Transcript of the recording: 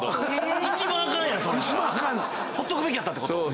放っとくべきやったってこと